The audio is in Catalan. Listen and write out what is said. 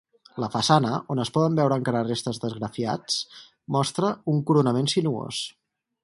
La façana, on es poden veure encara restes d'esgrafiats, mostra un coronament sinuós.